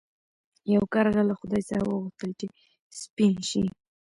یو کارغه له خدای څخه وغوښتل چې سپین شي.